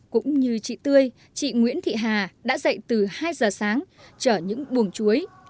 cũng như chị tươi chị nguyễn thị hà đã dạy các hộ tập trung ra bãi